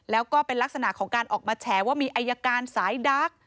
แล้วก็เป็นลักษณะของการออกมาแฉว่ามีอายการสายดัก